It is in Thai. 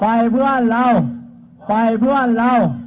ก็วันนี้ที่เราแถลงนะครับเราตั้งใจจะเชิญชัวร์ร่านส่วนข้างบนที่นี่นะครับ